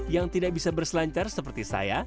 yang tidak bisa berselancar seperti saya